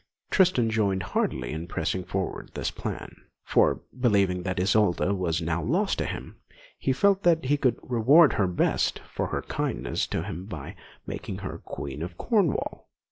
Tristan joined heartily in pressing forward this plan; for, believing that Isolda was now lost to him, he felt that he could reward her best for her kindness to him by making her Queen of Cornwall.